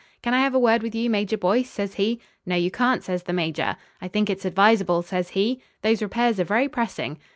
'Can I have a word with you, Major Boyce?' says he. 'No, you can't,' says the Major. 'I think it's advisable,' says he. 'Those repairs are very pressing.'